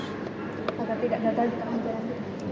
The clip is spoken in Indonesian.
agar tidak datar di tengah jalan itu